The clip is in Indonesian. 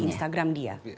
di instagram dia